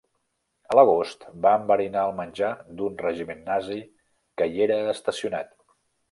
A l'agost va enverinar el menjar d'un regiment nazi que hi era estacionat.